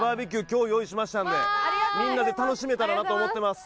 今日用意しましたんでみんなで楽しめたらなと思ってます